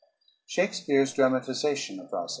] _Shakespeare's Dramatization of "Rosalynde."